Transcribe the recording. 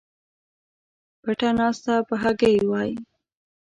پټه ناسته په هګۍ وای